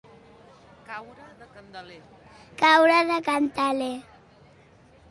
Caure del candeler.